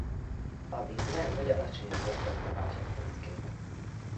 A vízre vagy alacsonyabb bokrokra rakja fészkét.